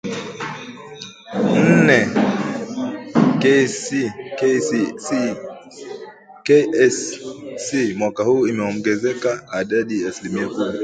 nne KCSE mwaka huu imeongezeka hadi asilimia kumi